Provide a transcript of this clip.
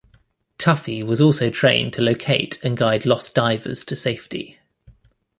Tuffy was also trained to locate and guide lost divers to safety.